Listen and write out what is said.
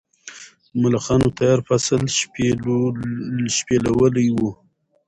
ملخانو تیار فصل شپېلولی و.